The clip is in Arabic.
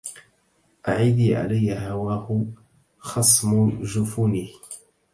أعدي علي هواه خصم جفونه